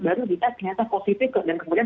baru kita ternyata positif dan kemudian